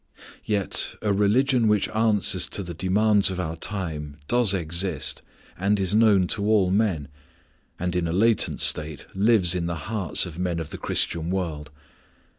Yet a religion which answers to the demands of our time does exist and is known to all men, and in a latent state lives in the hearts of men of the Christian world.